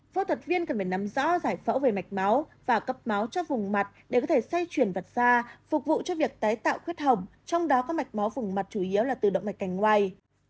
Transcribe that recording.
phô thật viên cần phải nắm rõ giải phẫu về mạch máu và cấp máu cho vùng mặt để có thể xây chuyển vặt ra phục vụ cho việc tái tạo khuyết hồng trong đó có mạch máu vùng mặt chủ yếu là từ động mạch cành ngoài